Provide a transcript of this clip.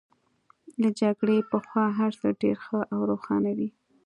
له جګړې پخوا هرڅه ډېر ښه او روښانه وو